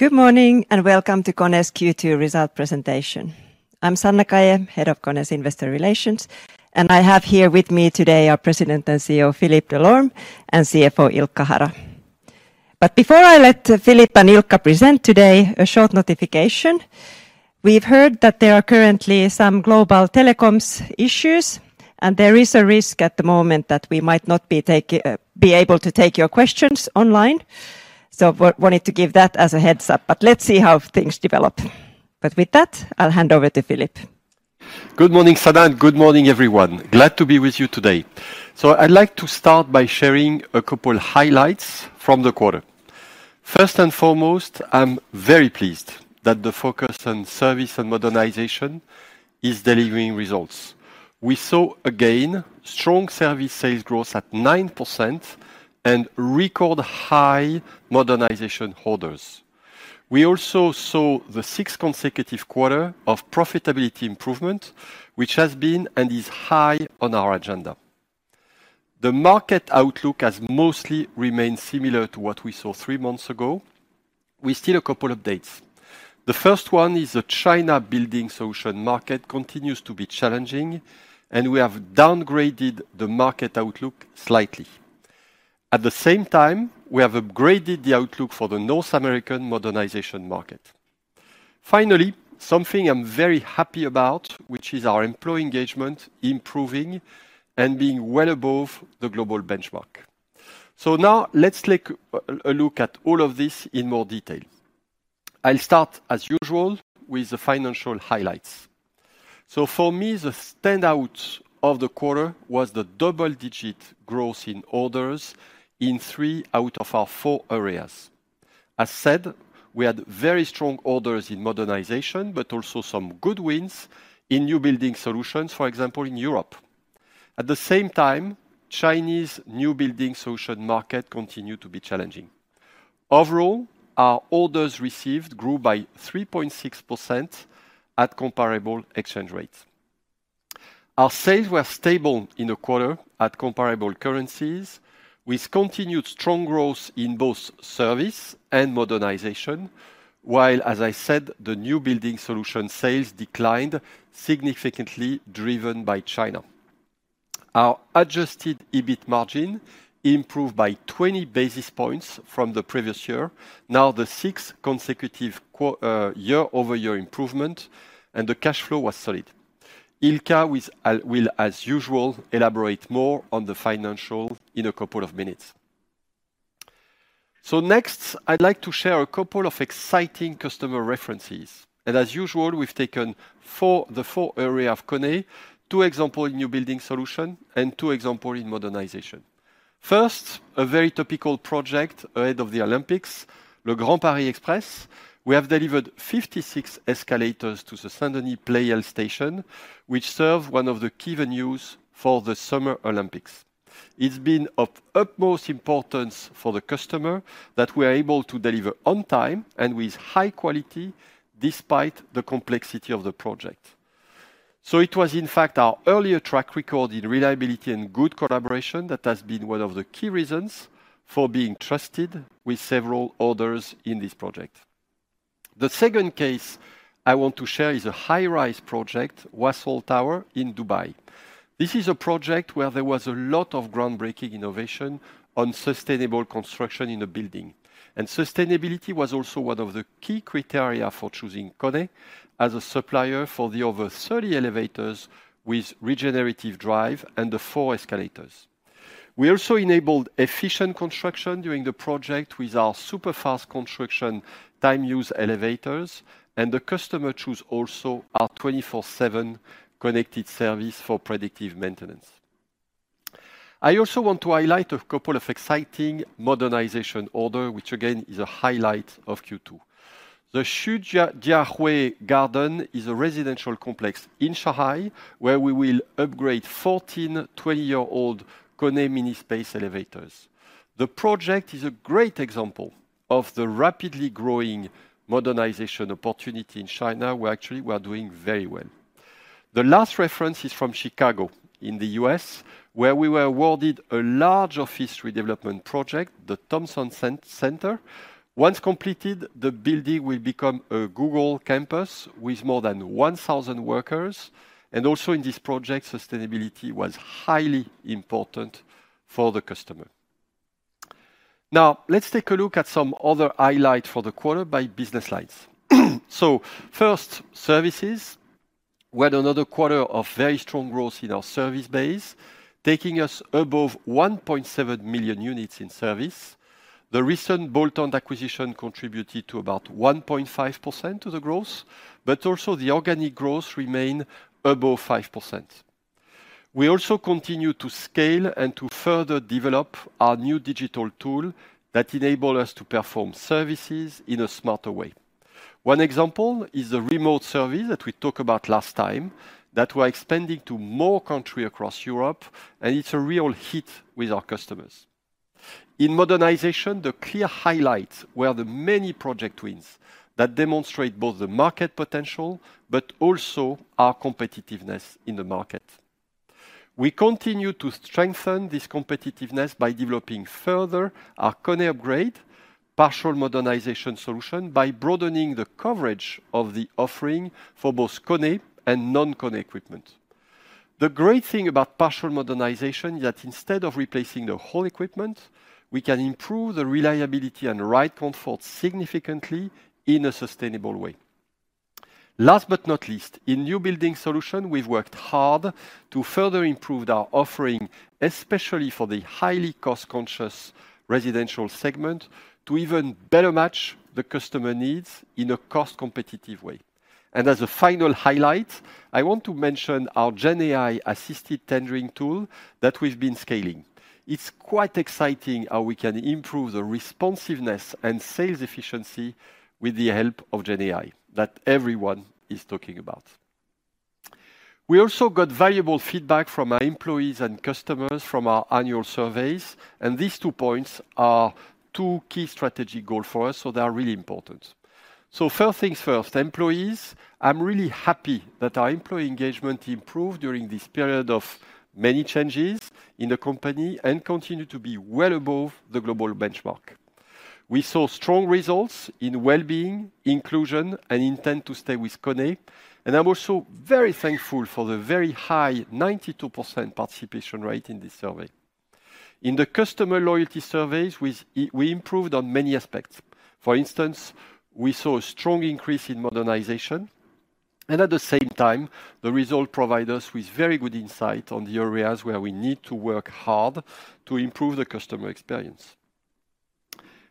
Good morning, and welcome to KONE's Q2 result presentation. I'm Sanna Kaje, Head of KONE's investor relations, and I have here with me today our President and CEO, Philippe Delorme, and CFO, Ilkka Hara. But before I let Philippe and Ilkka present today, a short notification. We've heard that there are currently some global telecoms issues, and there is a risk at the moment that we might not be able to take your questions online. So wanted to give that as a heads-up, but let's see how things develop. But with that, I'll hand over to Philippe. Good morning, Sanna, and good morning, everyone. Glad to be with you today. So I'd like to start by sharing a couple highlights from the quarter. First and foremost, I'm very pleased that the focus on service and modernization is delivering results. We saw, again, strong service sales growth at 9% and record high modernization orders. We also saw the sixth consecutive quarter of profitability improvement, which has been and is high on our agenda. The market outlook has mostly remained similar to what we saw three months ago, with still a couple updates. The first one is the China building solution market continues to be challenging, and we have downgraded the market outlook slightly. At the same time, we have upgraded the outlook for the North American modernization market. Finally, something I'm very happy about, which is our employee engagement improving and being well above the global benchmark. So now let's take a look at all of this in more detail. I'll start, as usual, with the financial highlights. So for me, the standout of the quarter was the double-digit growth in orders in three out of our four areas. As said, we had very strong orders in modernization, but also some good wins in new building solutions, for example, in Europe. At the same time, Chinese new building solution market continued to be challenging. Overall, our orders received grew by 3.6% at comparable exchange rates. Our sales were stable in the quarter at comparable currencies, with continued strong growth in both service and modernization, while, as I said, the new building solution sales declined significantly, driven by China. Our adjusted EBIT margin improved by 20 basis points from the previous year, now the sixth consecutive year-over-year improvement, and the cash flow was solid. Ilkka will, as usual, elaborate more on the financials in a couple of minutes. Next, I'd like to share a couple of exciting customer references, and as usual, we've taken four, the four areas of KONE: two examples in new building solution and two examples in modernization. First, a very topical project ahead of the Olympics, the Grand Paris Express. We have delivered 56 escalators to the Saint-Denis Pleyel station, which serve one of the key venues for the Summer Olympics. It's been of utmost importance for the customer that we are able to deliver on time and with high quality, despite the complexity of the project. So it was, in fact, our earlier track record in reliability and good collaboration that has been one of the key reasons for being trusted with several orders in this project. The second case I want to share is a high-rise project, Wasl Tower in Dubai. This is a project where there was a lot of groundbreaking innovation on sustainable construction in the building, and sustainability was also one of the key criteria for choosing KONE as a supplier for the over 30 elevators with regenerative drive and the four escalators. We also enabled efficient construction during the project with our super fast construction time use elevators, and the customer choose also our 24/7 connected service for predictive maintenance. I also want to highlight a couple of exciting modernization order, which again, is a highlight of Q2. The Xujiahui Garden is a residential complex in Shanghai, where we will upgrade 14 20-year-old KONE MonoSpace elevators. The project is a great example of the rapidly growing modernization opportunity in China, where actually we are doing very well. The last reference is from Chicago, in the U.S., where we were awarded a large office redevelopment project, the Thompson Center. Once completed, the building will become a Google campus with more than 1,000 workers, and also in this project, sustainability was highly important for the customer. Now, let's take a look at some other highlights for the quarter by business lines. So first, services. We had another quarter of very strong growth in our service base, taking us above 1.7 million units in service. The recent bolt-on acquisition contributed to about 1.5% of the growth, but also the organic growth remained above 5%. We also continued to scale and to further develop our new digital tool that enable us to perform services in a smarter way. One example is the remote service that we talk about last time, that we are expanding to more country across Europe, and it's a real hit with our customers. In Modernization, the clear highlights were the many project wins that demonstrate both the market potential, but also our competitiveness in the market. We continue to strengthen this competitiveness by developing further our KONE Upgrade, partial modernization solution, by broadening the coverage of the offering for both KONE and non-KONE equipment. The great thing about partial modernization is that instead of replacing the whole equipment, we can improve the reliability and ride comfort significantly in a sustainable way. Last but not least, in New Building Solutions, we've worked hard to further improve our offering, especially for the highly cost-conscious residential segment, to even better match the customer needs in a cost-competitive way. And as a final highlight, I want to mention our Gen AI assisted tendering tool that we've been scaling. It's quite exciting how we can improve the responsiveness and sales efficiency with the help of Gen AI, that everyone is talking about. We also got valuable feedback from our employees and customers from our annual surveys, and these two points are two key strategic goal for us, so they are really important. So first things first, employees. I'm really happy that our employee engagement improved during this period of many changes in the company, and continue to be well above the global benchmark. We saw strong results in well-being, inclusion, and intent to stay with KONE, and I'm also very thankful for the very high 92% participation rate in this survey. In the customer loyalty surveys, we improved on many aspects. For instance, we saw a strong increase in modernization, and at the same time, the result provide us with very good insight on the areas where we need to work hard to improve the customer experience.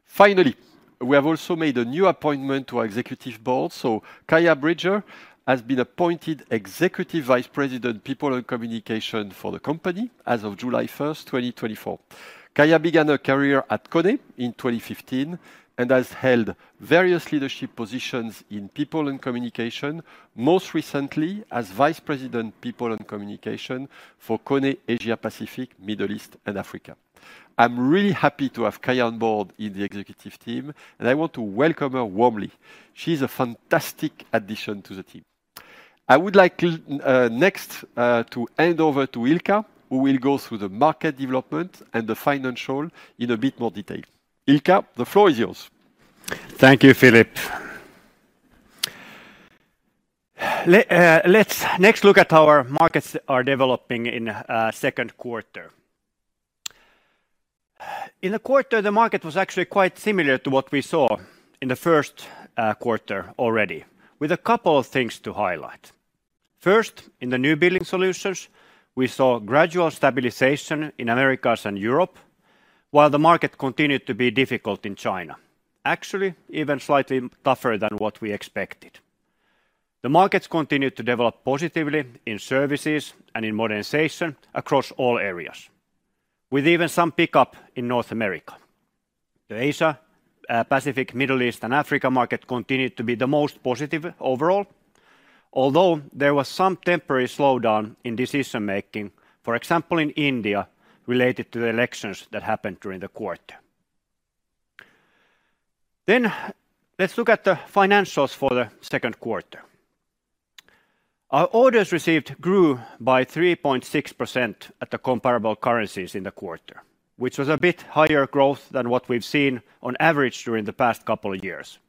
Finally, we have also made a new appointment to our executive board. So Kaija Bridger has been appointed Executive Vice President, People and Communications for the company as of July 1, 2024. Kaia began her career at KONE in 2015, and has held various leadership positions in People and Communications, most recently as Vice President, People and Communications for KONE Asia Pacific, Middle East, and Africa. I'm really happy to have Kaia on board in the executive team, and I want to welcome her warmly. She's a fantastic addition to the team. I would like next to hand over to Ilkka, who will go through the market development and the financials in a bit more detail. Ilkka, the floor is yours. Thank you, Philippe. Let's next look at how our markets are developing in second quarter. In the quarter, the market was actually quite similar to what we saw in the first quarter already, with a couple of things to highlight. First, in the new building solutions, we saw gradual stabilization in Americas and Europe, while the market continued to be difficult in China, actually, even slightly tougher than what we expected. The markets continued to develop positively in services and in modernization across all areas, with even some pickup in North America. The Asia Pacific, Middle East, and Africa market continued to be the most positive overall, although there was some temporary slowdown in decision-making, for example, in India, related to the elections that happened during the quarter. Then, let's look at the financials for the second quarter. Our orders received grew by 3.6% at comparable currencies in the quarter, which was a bit higher growth than what we've seen on average during the past couple of years,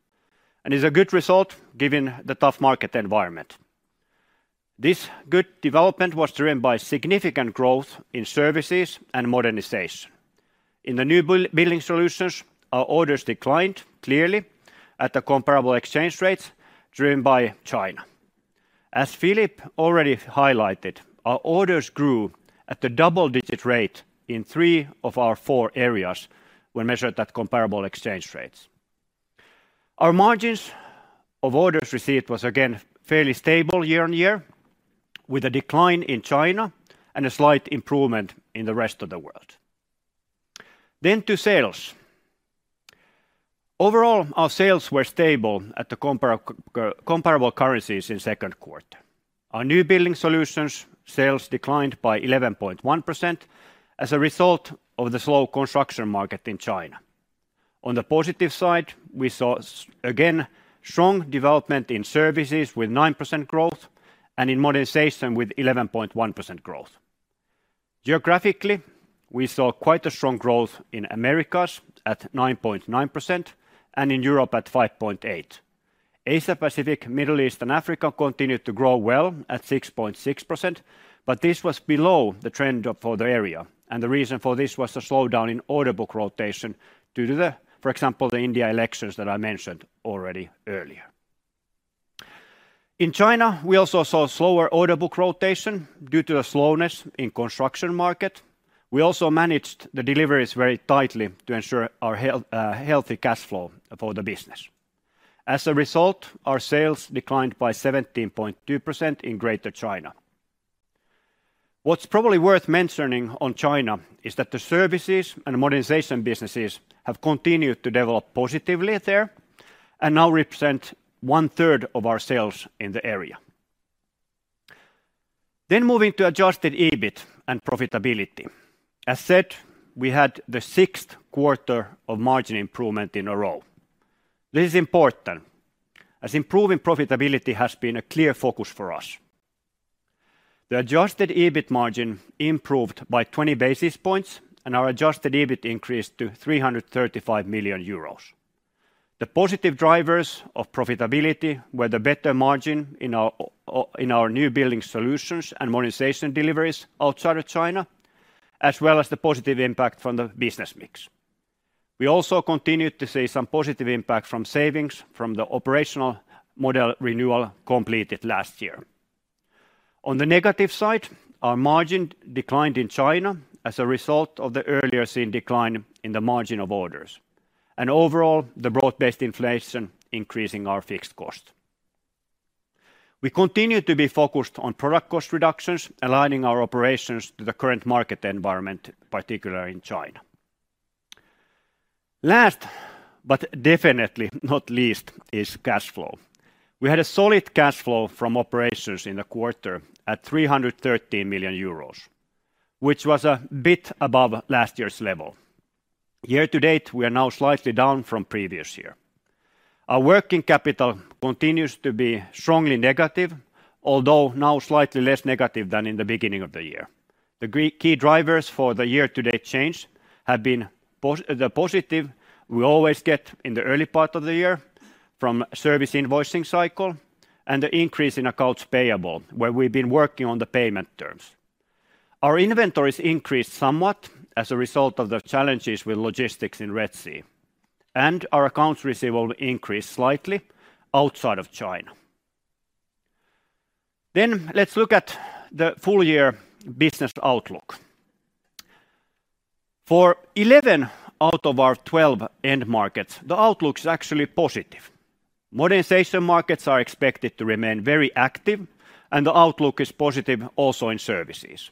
and is a good result, given the tough market environment. This good development was driven by significant growth in services and modernization. In the new building solutions, our orders declined clearly at a comparable exchange rate, driven by China. As Philippe already highlighted, our orders grew at a double-digit rate in three of our four areas when measured at comparable exchange rates. Our margins of orders received was again fairly stable year-on-year, with a decline in China and a slight improvement in the rest of the world. Then to sales. Overall, our sales were stable at comparable currencies in second quarter. Our New Building Solutions sales declined by 11.1% as a result of the slow construction market in China. On the positive side, we saw again, strong development in services with 9% growth and in modernization with 11.1% growth. Geographically, we saw quite a strong growth in Americas at 9.9%, and in Europe at 5.8%. Asia Pacific, Middle East, and Africa continued to grow well at 6.6%, but this was below the trend of for the area, and the reason for this was the slowdown in order book rotation due to the, for example, the India elections that I mentioned already earlier. In China, we also saw slower order book rotation due to a slowness in construction market. We also managed the deliveries very tightly to ensure our healthy cash flow for the business. As a result, our sales declined by 17.2% in Greater China. What's probably worth mentioning on China is that the services and modernization businesses have continued to develop positively there, and now represent one-third of our sales in the area. Then moving to adjusted EBIT and profitability. As said, we had the sixth quarter of margin improvement in a row. This is important, as improving profitability has been a clear focus for us. The adjusted EBIT margin improved by 20 basis points, and our adjusted EBIT increased to 335 million euros. The positive drivers of profitability were the better margin in our new building solutions and modernization deliveries outside of China, as well as the positive impact from the business mix. We also continued to see some positive impact from savings from the operational model renewal completed last year. On the negative side, our margin declined in China as a result of the earlier seen decline in the margin of orders, and overall, the broad-based inflation increasing our fixed cost. We continue to be focused on product cost reductions, aligning our operations to the current market environment, particularly in China. Last, but definitely not least, is cash flow. We had a solid cash flow from operations in the quarter at 313 million euros, which was a bit above last year's level. Year to date, we are now slightly down from previous year. Our working capital continues to be strongly negative, although now slightly less negative than in the beginning of the year. The key drivers for the year-to-date change have been the positive we always get in the early part of the year from service invoicing cycle and the increase in accounts payable, where we've been working on the payment terms. Our inventories increased somewhat as a result of the challenges with logistics in Red Sea, and our accounts receivable increased slightly outside of China. Then, let's look at the full year business outlook. For 11 out of our 12 end markets, the outlook is actually positive. Modernization markets are expected to remain very active, and the outlook is positive also in services.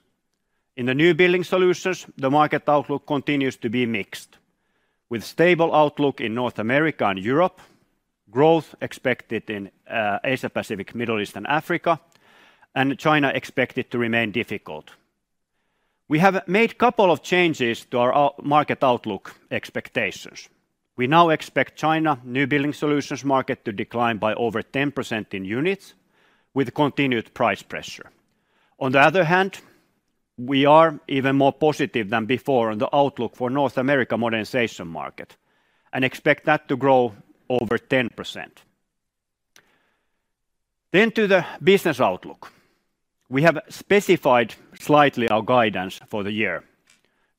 In the New Building Solutions, the market outlook continues to be mixed, with stable outlook in North America and Europe, growth expected in Asia, Pacific, Middle East and Africa, and China expected to remain difficult. We have made a couple of changes to our market outlook expectations. We now expect China New Building Solutions market to decline by over 10% in units, with continued price pressure. On the other hand, we are even more positive than before on the outlook for North America Modernization market, and expect that to grow over 10%. Then to the business outlook. We have specified slightly our guidance for the year,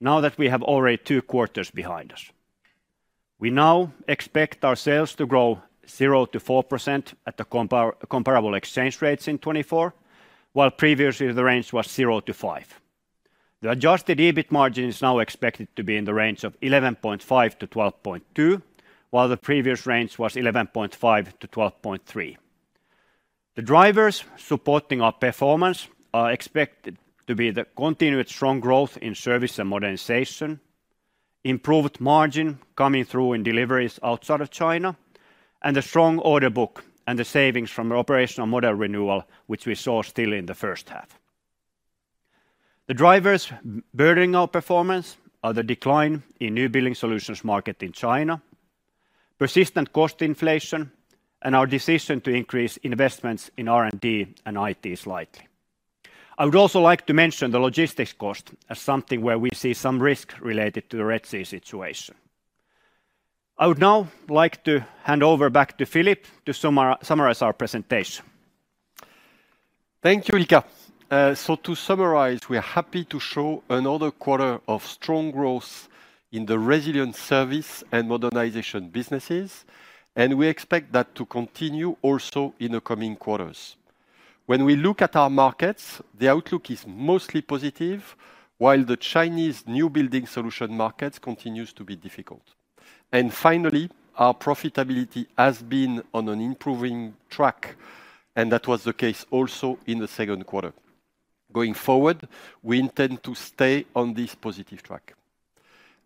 now that we have already two quarters behind us. We now expect our sales to grow 0%-4% at the comparable exchange rates in 2024, while previously the range was 0%-5%. The Adjusted EBIT margin is now expected to be in the range of 11.5%-12.2%, while the previous range was 11.5%-12.3%. The drivers supporting our performance are expected to be the continued strong growth in Service and Modernization, improved margin coming through in deliveries outside of China, and a strong order book, and the savings from operational model renewal, which we saw still in the first half. The drivers burdening our performance are the decline in New Building Solutions market in China, persistent cost inflation, and our decision to increase investments in R&D and IT slightly. I would also like to mention the logistics cost as something where we see some risk related to the Red Sea situation. I would now like to hand over back to Philippe to summarize our presentation. Thank you, Ilkka. So to summarize, we are happy to show another quarter of strong growth in the resilient Service and Modernization businesses, and we expect that to continue also in the coming quarters. When we look at our markets, the outlook is mostly positive, while the Chinese New Building Solutions markets continues to be difficult. And finally, our profitability has been on an improving track, and that was the case also in the second quarter. Going forward, we intend to stay on this positive track.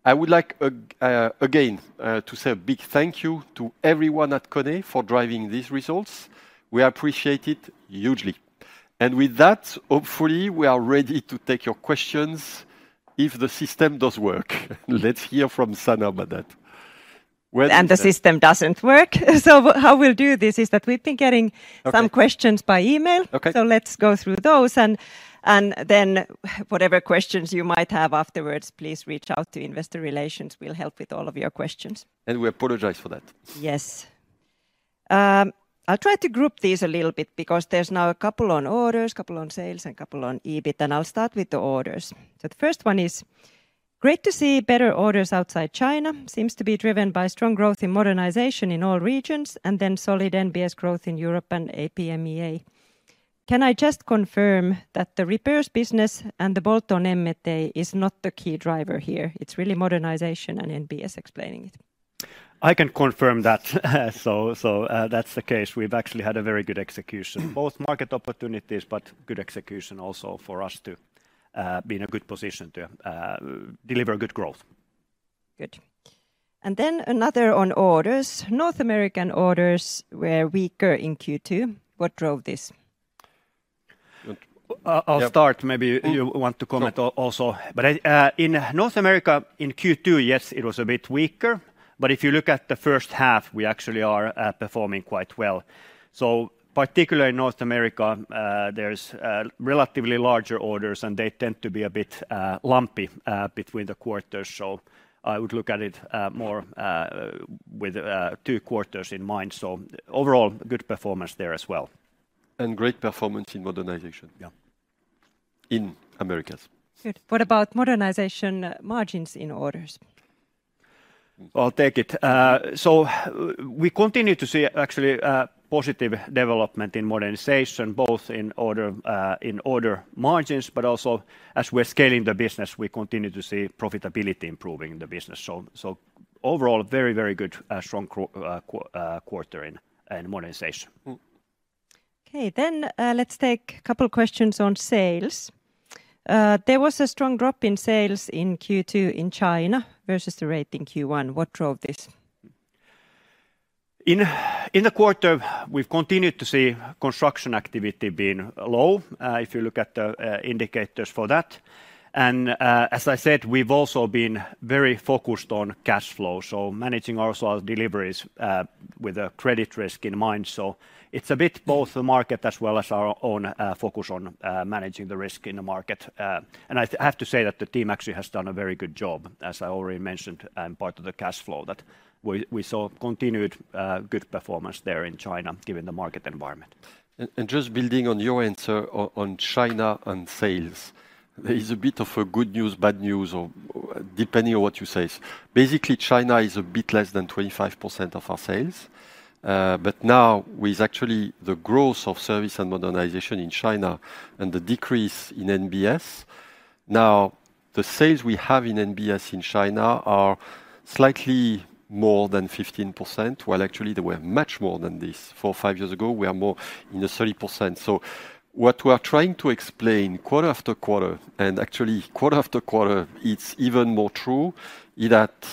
I would like again to say a big thank you to everyone at KONE for driving these results. We appreciate it hugely. And with that, hopefully, we are ready to take your questions, if the system does work. Let's hear from Sanna about that. Well. The system doesn't work. How we'll do this is that we've been getting- Okay... some questions by email. Okay. So let's go through those, and then whatever questions you might have afterwards, please reach out to Investor Relations. We'll help with all of your questions. We apologize for that. Yes. I'll try to group these a little bit because there's now a couple on orders, couple on sales, and couple on EBIT, and I'll start with the orders. So the first one is: Great to see better orders outside China. Seems to be driven by strong growth in modernization in all regions, and then solid NBS growth in Europe and APMEA. Can I just confirm that the repairs business and the bolt-on and M&A is not the key driver here? It's really modernization and NBS explaining it. I can confirm that. So, that's the case. We've actually had a very good execution both market opportunities, but good execution also for us to be in a good position to deliver good growth. Good. And then another on orders: North American orders were weaker in Q2. What drove this? I'll start, maybe you want to comment also. But, in North America, in Q2, yes, it was a bit weaker, but if you look at the first half, we actually are performing quite well. So particularly in North America, there's relatively larger orders, and they tend to be a bit lumpy between the quarters. So I would look at it more with two quarters in mind. So overall, good performance there as well. Great performance in Modernization. Yeah... in Americas. Good. What about modernization margins in orders? I'll take it. So we continue to see actually positive development in modernization, both in order in order margins, but also as we're scaling the business, we continue to see profitability improving in the business. So overall, very, very good strong quarter in modernization. Okay, then, let's take a couple questions on sales. There was a strong drop in sales in Q2 in China versus the rate in Q1. What drove this? In the quarter, we've continued to see construction activity being low, if you look at the indicators for that. And as I said, we've also been very focused on cash flow, so managing also our deliveries with a credit risk in mind. So it's a bit both the market as well as our own focus on managing the risk in the market. And I have to say that the team actually has done a very good job, as I already mentioned, and part of the cash flow that we saw continued good performance there in China, given the market environment. Just building on your answer on China and sales, there is a bit of a good news, bad news, or depending on what you say. Basically, China is a bit less than 25% of our sales. But now, with actually the growth of service and modernization in China and the decrease in NBS, now, the sales we have in NBS in China are slightly more than 15%, while actually they were much more than this. four, five years ago, we are more in the 30%. So what we are trying to explain quarter after quarter, and actually quarter after quarter, it's even more true, is that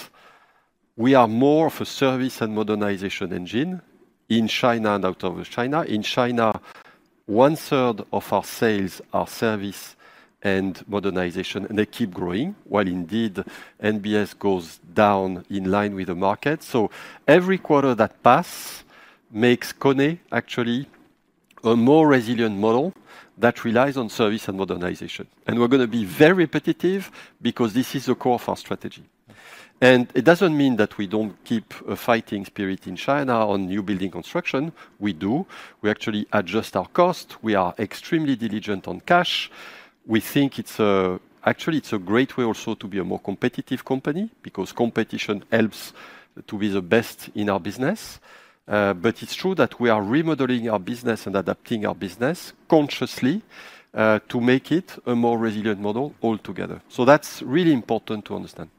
we are more of a service and modernization engine in China and out of China. In China, one-third of our sales are service and modernization, and they keep growing, while indeed NBS goes down in line with the market. So every quarter that pass makes KONE actually a more resilient model that relies on service and modernization. And we're going to be very repetitive because this is the core of our strategy. And it doesn't mean that we don't keep a fighting spirit in China on new building construction. We do. We actually adjust our cost. We are extremely diligent on cash. We think it's a... Actually, it's a great way also to be a more competitive company, because competition helps to be the best in our business. But it's true that we are remodeling our business and adapting our business consciously, to make it a more resilient model altogether. So that's really important to understand.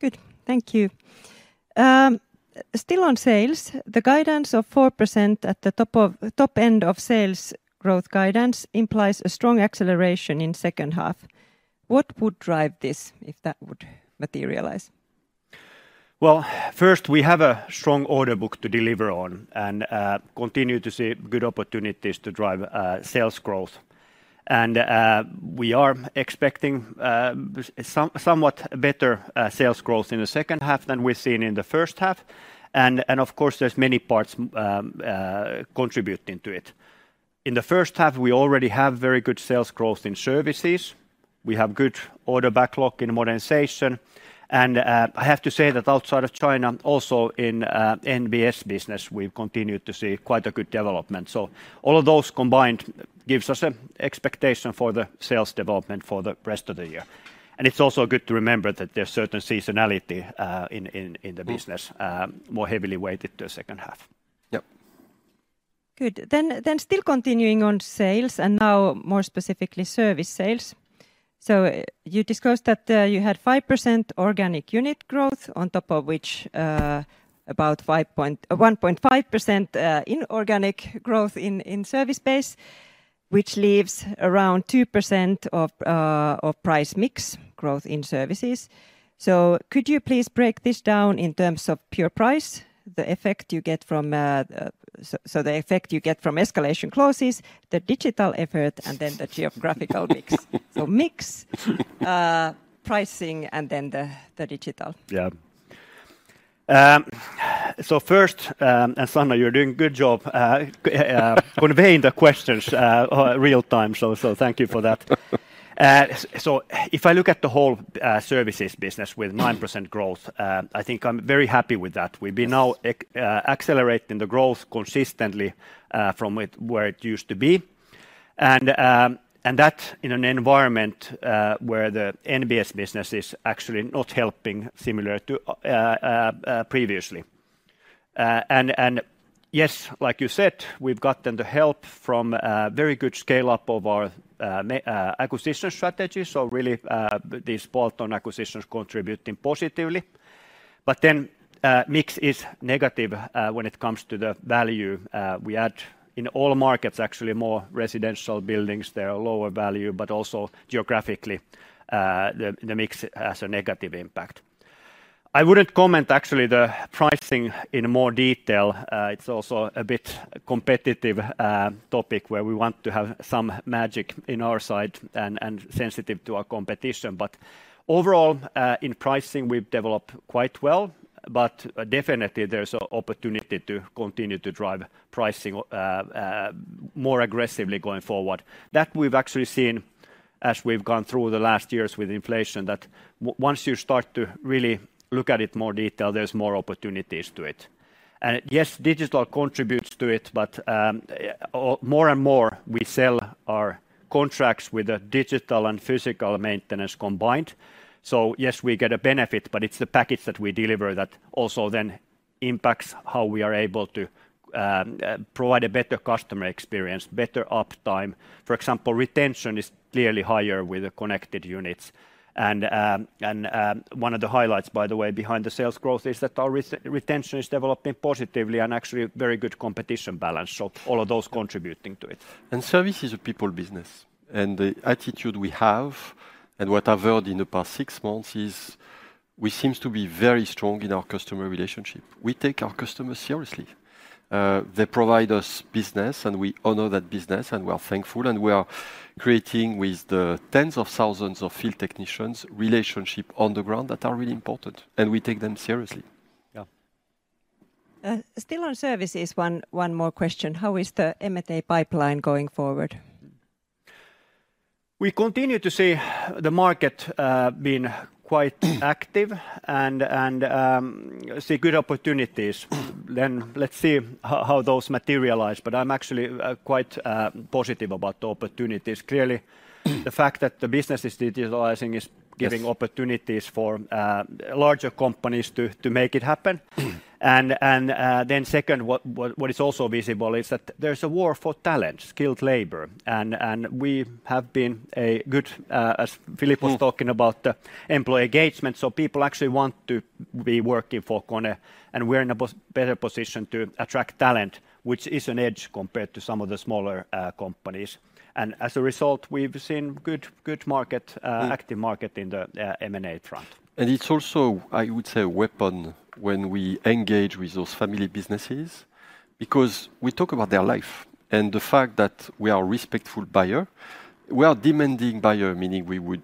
Good. Thank you. Still on sales, the guidance of 4% at the top end of sales growth guidance implies a strong acceleration in second half. What would drive this if that would materialize? Well, first, we have a strong order book to deliver on and continue to see good opportunities to drive sales growth. And we are expecting somewhat better sales growth in the second half than we've seen in the first half. And of course, there's many parts contributing to it. In the first half, we already have very good sales growth in services. We have good order backlog in modernization. And I have to say that outside of China, also in NBS business, we've continued to see quite a good development. So all of those combined gives us a expectation for the sales development for the rest of the year. And it's also good to remember that there's certain seasonality in the business more heavily weighted to the second half. Yep. Good. Then still continuing on sales, and now more specifically, service sales. So you discussed that you had 5% organic unit growth, on top of which about 1.5% inorganic growth in service base, which leaves around 2% of price mix growth in services. So could you please break this down in terms of pure price, the effect you get from escalation clauses, the digital effort... and then the geographical mix? So mix, pricing, and then the digital. Yeah. So first, and Sanna, you're doing a good job conveying the questions real time. So if I look at the whole services business with 9% growth, I think I'm very happy with that. Yes. We've been now accelerating the growth consistently from where it used to be. And that in an environment where the NBS business is actually not helping, similar to previously. And yes, like you said, we've gotten the help from a very good scale-up of our acquisition strategy, so really these bolt-on acquisitions contributing positively. But then mix is negative when it comes to the value we add. In all markets, actually, more residential buildings, they are lower value, but also geographically the mix has a negative impact. I wouldn't comment actually the pricing in more detail. It's also a bit competitive topic, where we want to have some magic in our side and sensitive to our competition. But overall, in pricing, we've developed quite well, but definitely there's an opportunity to continue to drive pricing more aggressively going forward. That we've actually seen as we've gone through the last years with inflation, that once you start to really look at it more detail, there's more opportunities to it. And yes, digital contributes to it, but more and more, we sell our contracts with the digital and physical maintenance combined. So yes, we get a benefit, but it's the package that we deliver that also then impacts how we are able to provide a better customer experience, better uptime. For example, retention is clearly higher with the connected units. One of the highlights, by the way, behind the sales growth, is that our retention is developing positively and actually a very good competition balance, so all of those contributing to it. Service is a people business, and the attitude we have, and what I've heard in the past six months, is we seems to be very strong in our customer relationship. We take our customers seriously. They provide us business, and we honor that business, and we are thankful, and we are creating with the tens of thousands of field technicians, relationship on the ground that are really important, and we take them seriously. Yeah. Still on services, one more question: How is the M&A pipeline going forward? We continue to see the market being quite active and see good opportunities. Then let's see how those materialize, but I'm actually quite positive about the opportunities. Clearly, the fact that the business is digitalizing is giving opportunities for larger companies to make it happen. And then second, what is also visible is that there's a war for talent, skilled labor, and we have been a good, as Philippe was talking about the employee engagement, so people actually want to be working for KONE, and we're in a better position to attract talent, which is an edge compared to some of the smaller companies. And as a result, we've seen good market... active market in the M&A front. It's also, I would say, a weapon when we engage with those family businesses, because we talk about their life. The fact that we are a respectful buyer, we are a demanding buyer, meaning we would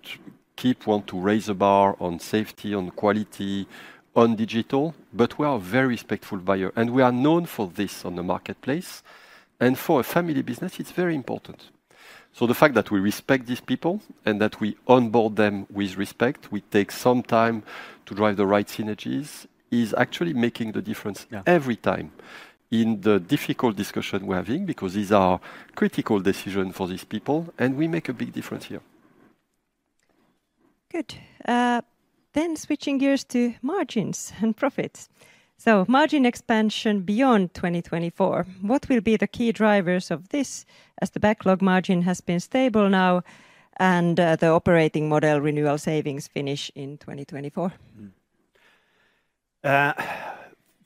keep want to raise the bar on safety, on quality, on digital, but we are a very respectful buyer, and we are known for this on the marketplace. For a family business, it's very important. The fact that we respect these people, and that we onboard them with respect, we take some time to drive the right synergies, is actually making the difference every time in the difficult discussion we're having, because these are critical decisions for these people, and we make a big difference here. Good. Then switching gears to margins and profits. So margin expansion beyond 2024, what will be the key drivers of this, as the backlog margin has been stable now, and the operating model renewal savings finish in 2024?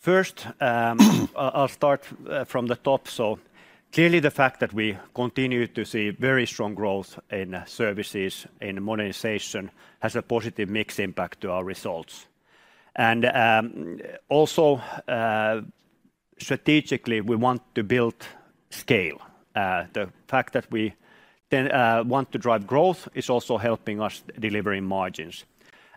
First, I'll start from the top. So clearly, the fact that we continue to see very strong growth in services, in modernization, has a positive mix impact to our results. And also, strategically, we want to build scale. The fact that we then want to drive growth is also helping us delivering margins.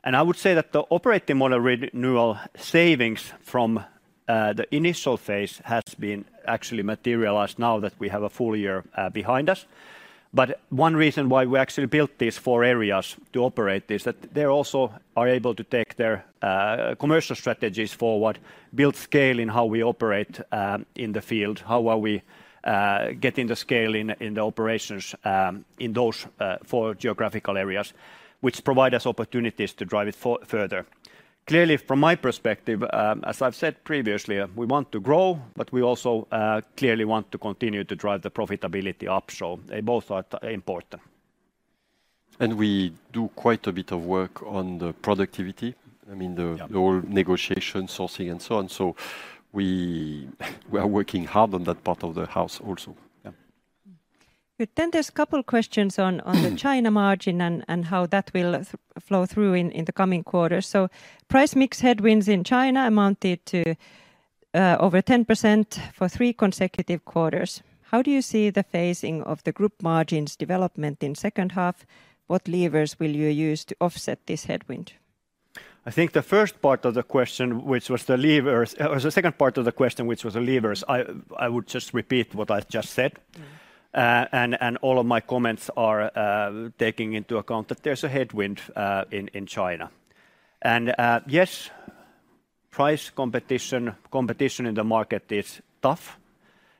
And I would say that the operating model renewal savings from the initial phase has been actually materialized now that we have a full year behind us. But one reason why we actually built these four areas to operate is that they also are able to take their commercial strategies forward, build scale in how we operate in the field, how are we getting the scale in the operations in those four geographical areas, which provide us opportunities to drive it further. Clearly, from my perspective, as I've said previously, we want to grow, but we also clearly want to continue to drive the profitability up, so they both are important. We do quite a bit of work on the productivity. I mean, the the whole negotiation, sourcing, and so on. So we are working hard on that part of the house also. Yeah. Good. Then there's a couple questions on the China margin and how that will flow through in the coming quarters. So price mix headwinds in China amounted to over 10% for three consecutive quarters. How do you see the phasing of the group margins development in second half? What levers will you use to offset this headwind? I think the first part of the question, which was the levers... The second part of the question, which was the levers, I would just repeat what I just said. Mm. And all of my comments are taking into account that there's a headwind in China. And yes, price competition, competition in the market is tough.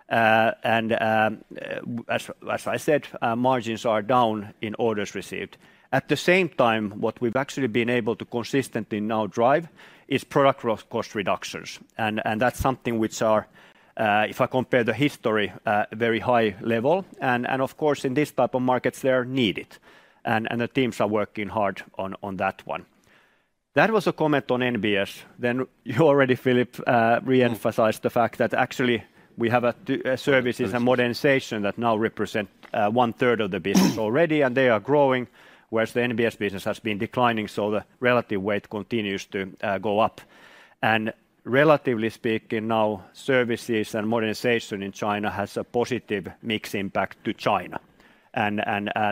And as I said, margins are down in orders received. At the same time, what we've actually been able to consistently now drive is product cost reductions, and that's something which are, if I compare the history, a very high level. And of course, in this type of markets, they are needed, and the teams are working hard on that one. That was a comment on NBS. Then you already, Philippe, re-emphasized the fact that actually we have a services- and modernization that now represent one-third of the business... already, and they are growing.... whereas the NBS business has been declining, so the relative weight continues to go up. And relatively speaking, now services and modernization in China has a positive mix impact to China, and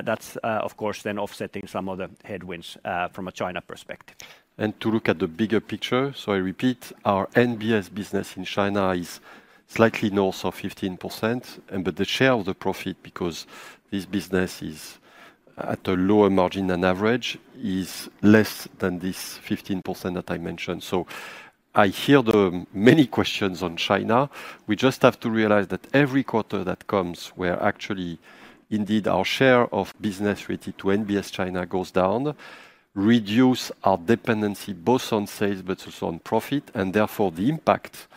that's, of course, then offsetting some of the headwinds from a China perspective. To look at the bigger picture, so I repeat, our NBS business in China is slightly north of 15%, and but the share of the profit, because this business is at a lower margin than average, is less than this 15% that I mentioned. So I hear the many questions on China. We just have to realize that every quarter that comes, where actually indeed our share of business related to NBS China goes down, reduce our dependency both on sales but also on profit, and therefore, the impact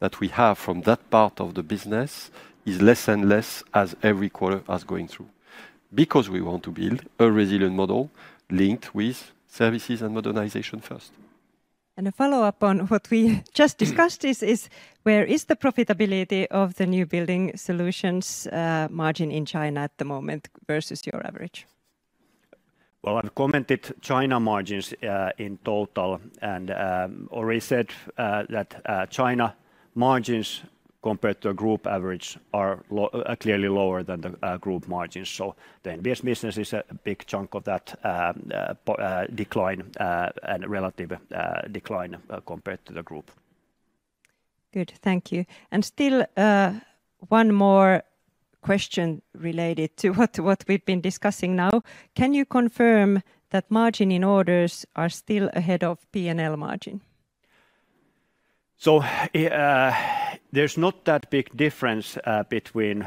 that we have from that part of the business is less and less as every quarter is going through. Because we want to build a resilient model linked with services and modernization first. A follow-up on what we just discussed is, where is the profitability of the New Building Solutions margin in China at the moment versus your average? Well, I've commented China margins in total, and already said that China margins compared to a group average are clearly lower than the group margins. So the NBS business is a big chunk of that decline and relative decline compared to the group. Good. Thank you. Still, one more question related to what we've been discussing now. Can you confirm that margin in orders are still ahead of P&L margin? So, there's not that big difference between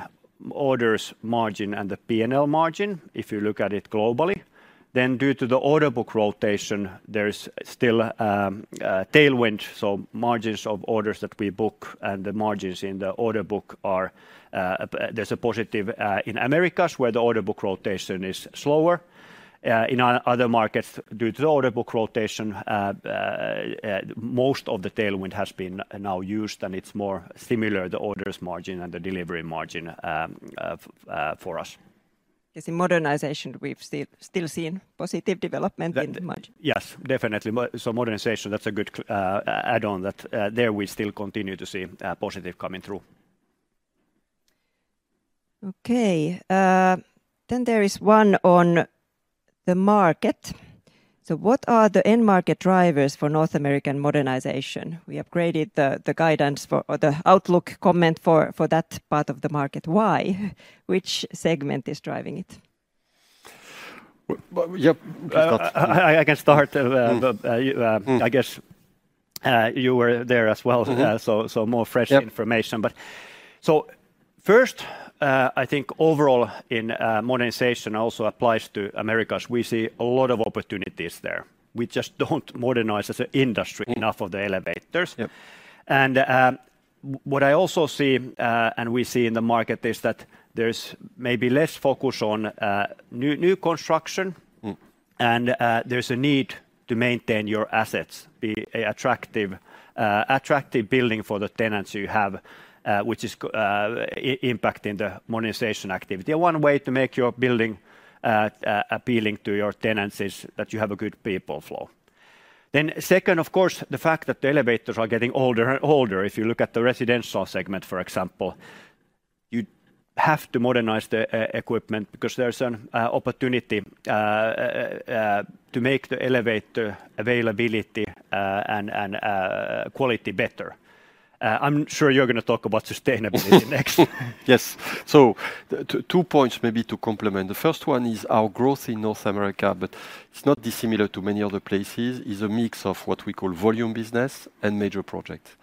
orders margin and the P&L margin, if you look at it globally. Then due to the order book rotation, there is still a tailwind, so margins of orders that we book and the margins in the order book are, there's a positive in Americas, where the order book rotation is slower. In other markets, due to the order book rotation, most of the tailwind has been now used, and it's more similar, the orders margin and the delivery margin, for us. Yes, in Modernization, we've still seen positive development in the margin. Yes, definitely. So Modernization, that's a good add-on that we still continue to see a positive coming through. Okay. Then there is one on the market. So what are the end market drivers for North American Modernization? We upgraded the guidance for or the outlook comment for that part of the market. Why? Which segment is driving it? Well, yep, I can start. But Mm... I guess, you were there as well so more fresh information. Yep. But so first, I think overall in modernization also applies to Americas. We see a lot of opportunities there. We just don't modernize as an industry. Enough of the elevators. What I also see, and we see in the market, is that there's maybe less focus on new construction. There's a need to maintain your assets, be a attractive, attractive building for the tenants you have, which is impacting the modernization activity. One way to make your building appealing to your tenants is that you have a good people flow. Then second, of course, the fact that the elevators are getting older and older. If you look at the residential segment, for example, you have to modernize the equipment because there's an opportunity to make the elevator availability and quality better. I'm sure you're going to talk about sustainability next. Yes. So two points maybe to complement. The first one is our growth in North America, but it's not dissimilar to many other places, is a mix of what we call volume business and major project.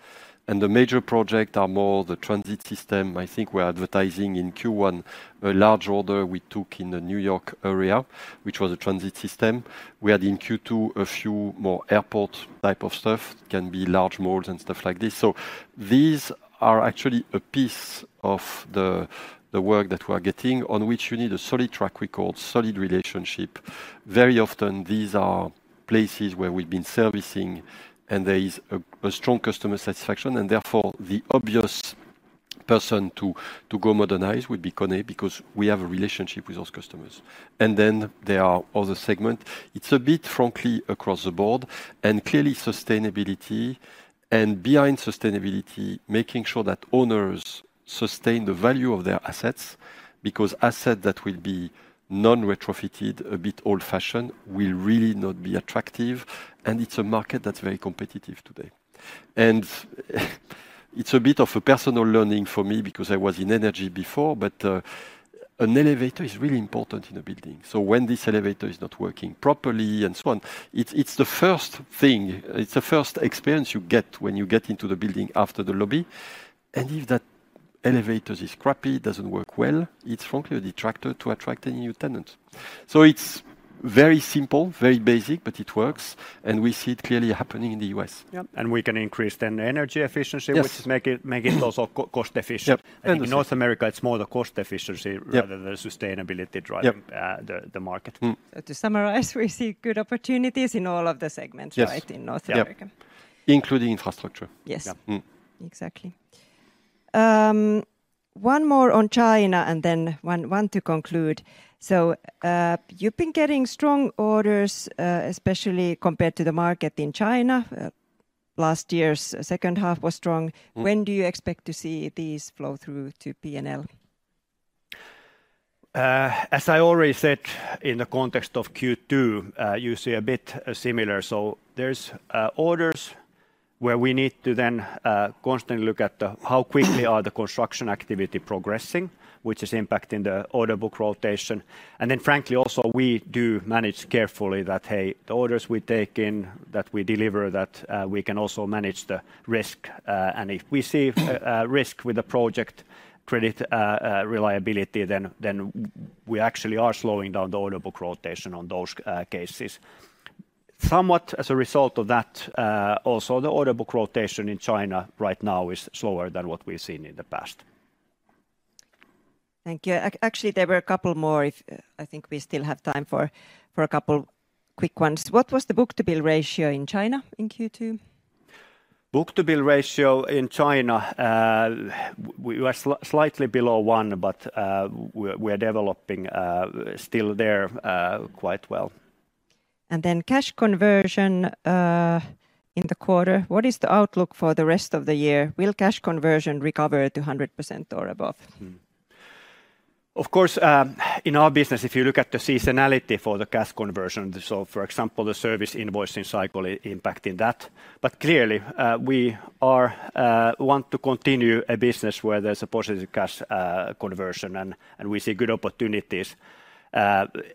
And the major project are more the transit system. I think we're had in Q1, a large order we took in the New York area, which was a transit system. We had in Q2 a few more airport type of stuff, can be large malls and stuff like this. So these are actually a piece of the, the work that we are getting, on which you need a solid track record, solid relationship. Very often, these are places where we've been servicing, and there is a, a strong customer satisfaction, and therefore, the obvious person to, to go modernize would be KONE, because we have a relationship with those customers. Then there are other segments. It's a bit frankly across the board, and clearly sustainability, and behind sustainability, making sure that owners sustain the value of their assets, because assets that will be non-retrofitted, a bit old-fashioned, will really not be attractive, and it's a market that's very competitive today. It's a bit of a personal learning for me because I was in energy before, but an elevator is really important in a building. So when this elevator is not working properly, and so on, it's the first thing, it's the first experience you get when you get into the building after the lobby, and if that elevator is crappy, it doesn't work well, it's frankly a detractor to attract any new tenants. So it's very simple, very basic, but it works, and we see it clearly happening in the U.S.. Yep, and we can increase then the energy efficiency- Yes... which make it also cost efficient. Yep. And- In North America, it's more the cost efficiency- Yep... rather than sustainability driving- Yep... the market. Mm. To summarize, we see good opportunities in all of the segments- Yes... right, in North America? Yep. Including infrastructure. Yes. Yep. Mm. Exactly.... One more on China and then one to conclude. So, you've been getting strong orders, especially compared to the market in China. Last year's second half was strong. When do you expect to see these flow through to PNL? As I already said, in the context of Q2, you see a bit similar. So there's orders where we need to then constantly look at the how quickly the construction activity is progressing, which is impacting the order book rotation. And then frankly, also, we do manage carefully that, hey, the orders we take in, that we deliver, that we can also manage the risk. And if we see risk with the project credit, reliability, then we actually are slowing down the order book rotation on those cases. Somewhat as a result of that, also, the order book rotation in China right now is slower than what we've seen in the past. Thank you. Actually, there were a couple more. I think we still have time for a couple quick ones. What was the book-to-bill ratio in China in Q2? Book-to-bill ratio in China, we were slightly below one, but we're developing still there quite well. And then cash conversion, in the quarter, what is the outlook for the rest of the year? Will cash conversion recover to 100% or above? Of course, in our business, if you look at the seasonality for the cash conversion, so for example, the service invoicing cycle impacting that. But clearly, we are want to continue a business where there's a positive cash conversion, and we see good opportunities.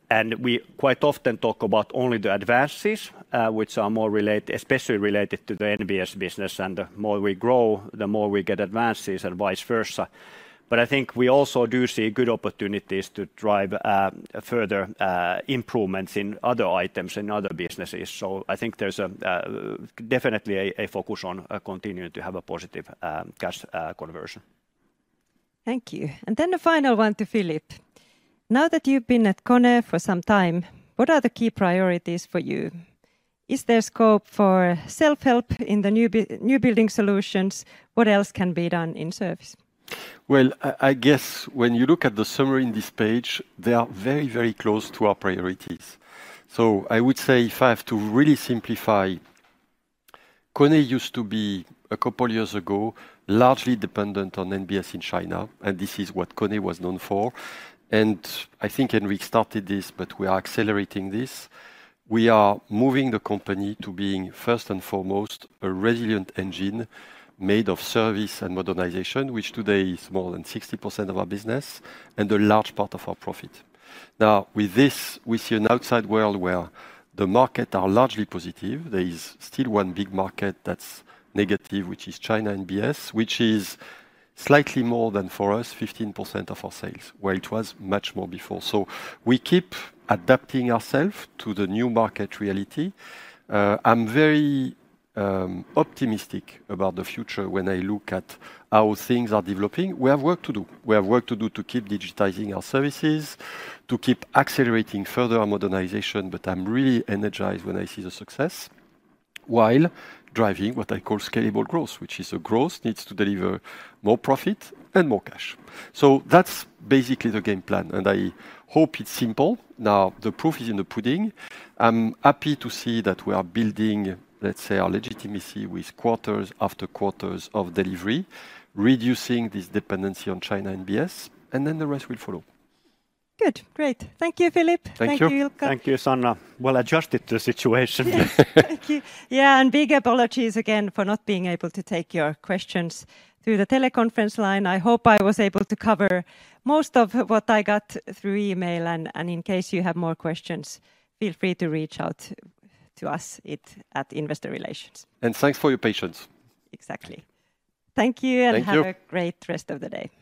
And we quite often talk about only the advances, which are more especially related to the NBS business, and the more we grow, the more we get advances, and vice versa. But I think we also do see good opportunities to drive further improvements in other items, in other businesses. So I think there's definitely a focus on continuing to have a positive cash conversion. Thank you. And then the final one to Philippe. Now that you've been at KONE for some time, what are the key priorities for you? Is there scope for self-help in the New Building Solutions? What else can be done in Service? Well, I guess when you look at the summary in this page, they are very, very close to our priorities. So I would say if I have to really simplify, KONE used to be, a couple years ago, largely dependent on NBS in China, and this is what KONE was known for. And I think Henrik started this, but we are accelerating this. We are moving the company to being, first and foremost, a resilient engine made of service and modernization, which today is more than 60% of our business and a large part of our profit. Now, with this, we see an outside world where the market are largely positive. There is still one big market that's negative, which is China NBS, which is slightly more than, for us, 15% of our sales, where it was much more before. So we keep adapting ourself to the new market reality. I'm very optimistic about the future when I look at how things are developing. We have work to do. We have work to do to keep digitizing our services, to keep accelerating further our modernization, but I'm really energized when I see the success, while driving what I call scalable growth, which is a growth needs to deliver more profit and more cash. So that's basically the game plan, and I hope it's simple. Now, the proof is in the pudding. I'm happy to see that we are building, let's say, our legitimacy with quarters after quarters of delivery, reducing this dependency on China NBS, and then the rest will follow. Good. Great. Thank you, Philippe. Thank you. Thank you, Ilkka. Thank you, Sanna. Well adjusted to the situation. Thank you. Yeah, and big apologies again for not being able to take your questions through the teleconference line. I hope I was able to cover most of what I got through email, and in case you have more questions, feel free to reach out to us at Investor Relations. Thanks for your patience. Exactly. Thank you- Thank you... and have a great rest of the day.